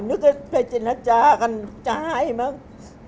มึงก็ไปจินาจากันจ้ายมั้ง